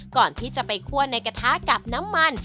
ก่อนที่จะไปคั่วในกระทะกับน้ำมัน